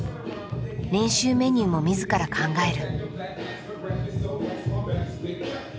練習メニューも自ら考える。